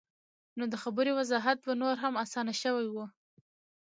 نو د خبرې وضاحت به نور هم اسان شوے وۀ -